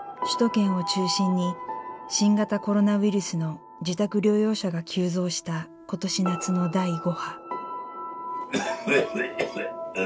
首都圏を中心に新型コロナウイルスの自宅療養者が急増した今年夏の第５波。